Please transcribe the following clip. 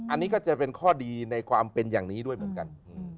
อันนี้ก็จะเป็นข้อดีในความเป็นอย่างนี้ด้วยเหมือนกัน